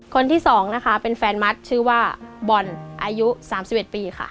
คนที่๒นะคะเป็นแฟนมัดชื่อว่าบอลอายุ๓๑ปีค่ะ